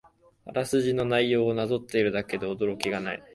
あらすじの内容をなぞっているだけで驚きがない